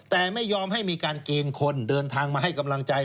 แต่ไม่ยอมให้มีการเกณฑ์คนเดินทางมาให้กำลังใจ